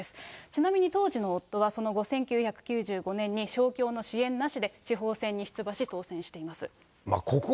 ちなみに、当時の夫はその後、１９９５年に勝共の支援なしで地方選に出馬し、当選しています。